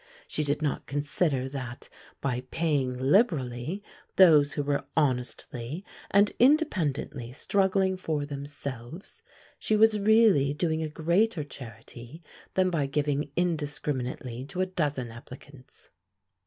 She did not consider that, by paying liberally those who were honestly and independently struggling for themselves, she was really doing a greater charity than by giving indiscriminately to a dozen applicants.